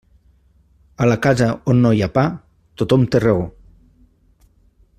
A la casa on no hi ha pa, tothom té raó.